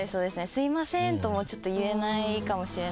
「すいません」ともちょっと言えないかもしれないです。